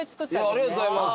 ありがとうございます。